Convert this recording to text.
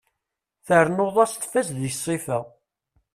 Ternuḍ-as tfaz deg ssifa.